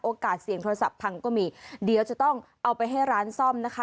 เสียงโทรศัพท์พังก็มีเดี๋ยวจะต้องเอาไปให้ร้านซ่อมนะคะ